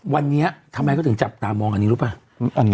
วันนี้ทำไมเขาถึงจับตามองอันนี้รู้ป่ะ